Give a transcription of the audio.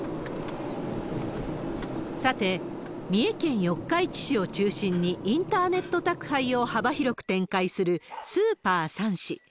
さて、三重県四日市市を中心にインターネット宅配を幅広く展開する、スーパーサンシ。